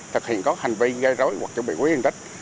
thực hiện các hành vi gây dối hoặc chuẩn bị quyết định tích